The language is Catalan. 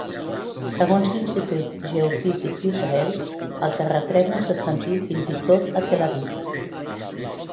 Segons l'Institut Geofísic d'Israel, el terratrèmol se sentí fins i tot a Tel Aviv.